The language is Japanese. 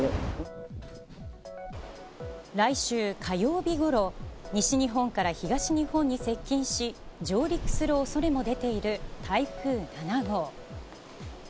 来週火曜日ごろ、西日本から東日本に接近し、上陸するおそれも出ている台風７号。